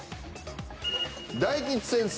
大吉先生。